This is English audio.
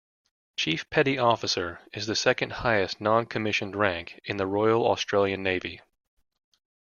"Chief Petty Officer" is the second highest non-commissioned rank in the Royal Australian Navy.